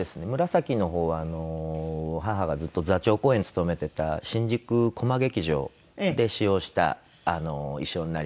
紫の方は母がずっと座長公演務めてた新宿コマ劇場で使用した衣装になります。